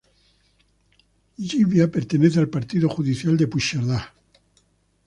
Llivia pertenece al partido judicial de Puigcerdá.